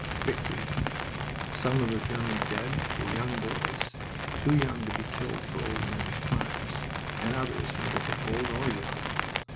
Victory! some of the German dead were young boys, too young to be killed for old men's crimes, and others might have been old or young.